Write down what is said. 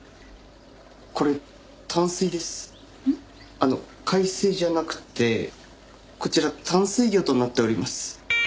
あの海水じゃなくてこちら淡水魚となっております。